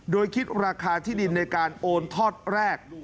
โดยคิดราคาที่ดินในการโอนทอดแรก